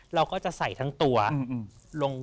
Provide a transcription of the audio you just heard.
เราก็จะใส่ทั้งตัวลง